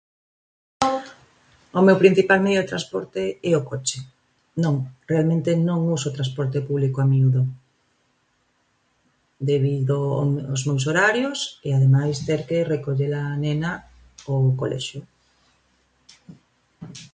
O meu principal medio de transporte é o coche. Non, realmente non uso transporte público a miúdo debido aos meus horarios e ademais ter que recollela nena do colexio.